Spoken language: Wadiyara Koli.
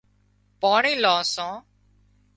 پاڻي لان سان